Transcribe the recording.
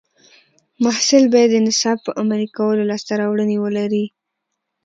محصل باید د نصاب په عملي کولو لاسته راوړنې ولري.